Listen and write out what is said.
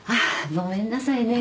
ごめんなさいね。